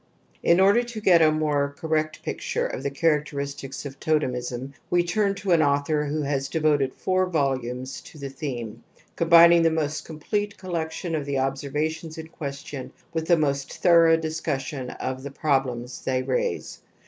In order to get a more correct picture of the characteristics of totemism we turn to an author who has devoted four voliunes to the theme, combining the most complete collection of the observations in question with the most thor ough discussion of the problems they raise.